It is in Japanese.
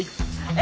え！